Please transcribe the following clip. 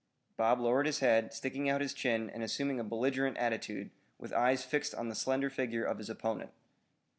Bob lowered his head, sticking out his chin and assuming a belligerent attitude with eyes fixed on the slender figure of his opponent.